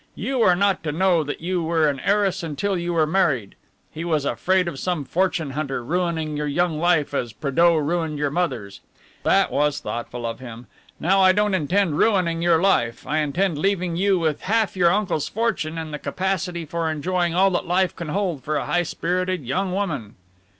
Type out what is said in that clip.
You were not to know that you were an heiress until you were married. He was afraid of some fortune hunter ruining your young life as Prédeaux ruined your mother's. That was thoughtful of him. Now I don't intend ruining your life, I intend leaving you with half your uncle's fortune and the capacity for enjoying all that life can hold for a high spirited young woman."